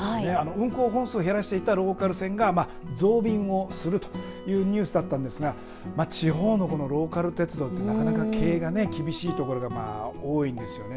運行本数を減らしていたローカル線が増便をするというニュースだったんですが地方のローカル鉄道というのはなかなか経営が厳しいところが多いんですよね。